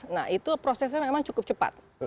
nah itu prosesnya memang cukup cepat